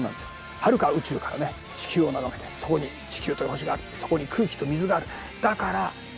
はるか宇宙から地球を眺めてそこに地球という星があるそこに空気と水があるだから気象現象が起こる。